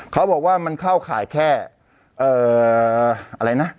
เขาบอกว่ามันเข้าข่ายแค่อะไรนะ